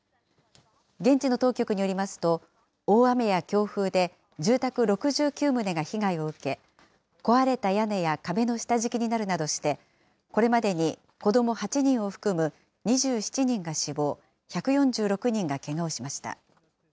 現地の当局によりますと、大雨や強風で、住宅６９棟が被害を受け、壊れた屋根や壁の下敷きになるなどして、これまでに子ども８人を含む２７人が死亡、１４６人がけがをしました。